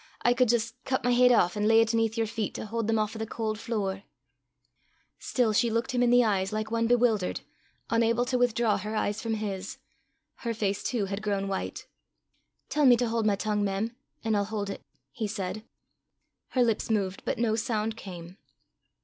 I cud jist cut my heid aff, an' lay 't aneth yer feet to haud them aff o' the caul' flure." Still she looked him in the eyes, like one bewildered, unable to withdraw her eyes from his. Her face too had grown white. "Tell me to haud my tongue, mem, an' I'll haud it," he said. Her lips moved, but no sound came.